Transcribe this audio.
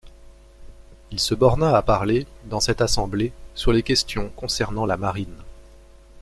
Il se borna à parler, dans cette assemblée, sur les questions concernant la marine.